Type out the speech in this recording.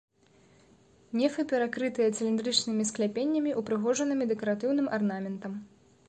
Нефы перакрытыя цыліндрычнымі скляпеннямі, упрыгожанымі дэкаратыўным арнаментам.